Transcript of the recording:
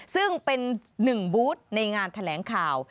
ซึ่งเป็นหนึ่งบูธในงานแถลงข่าว